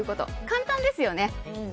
簡単ですよね。